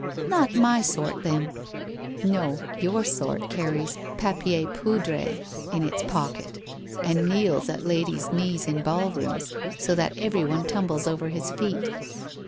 ' Not my sort then.' ' No, your sort carries papier poudrce in its pocket and kneels at ladies' knees in ballrooms, so that everyone tumbles over his feet.'